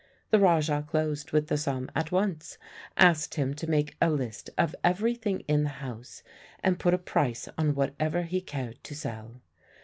The Rajah closed with the sum at once, asked him to make a list of everything in the house, and put a price on whatever he cared to sell.